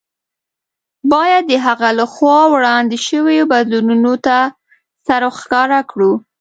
باید د هغه له خوا وړاندې شویو بدلوونکو ته سر ورښکاره کړو.